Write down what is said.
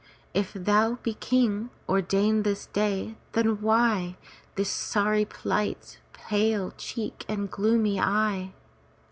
If thou be king, ordained this day, then why This sorry plight, pale cheek and gloomy eye?